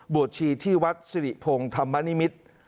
ชีที่วัดสิริพงศ์ธรรมนิมิตร